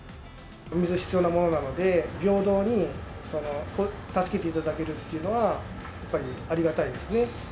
水は必要なものなので、平等に助けていただけるというのは、やっぱりありがたいですね。